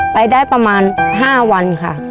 ไปได้ประมาณ๕วันค่ะ